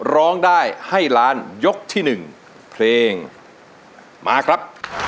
ร้องได้ให้ล้านยกที่๑เพลงมาครับ